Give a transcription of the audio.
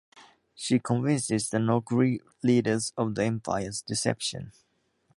She convinces the Noghri leaders of the Empire's deception.